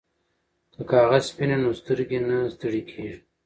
که کاغذ سپین وي نو سترګې نه ستړې کیږي.